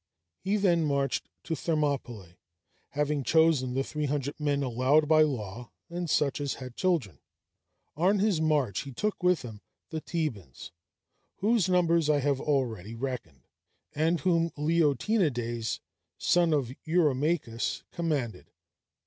He then marched to Thermopylæ, having chosen the three hundred men allowed by law, and such as had children. On his march he took with him the Thebans, whose numbers I have already reckoned, and whom Leontiades, son of Eurymachus, commanded.